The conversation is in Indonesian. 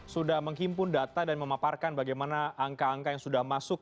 sudah menghimpun data dan memaparkan bagaimana angka angka yang sudah masuk